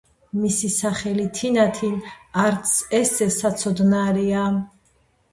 მისი სახელი - თინათინ, არც ესე საცოდნარია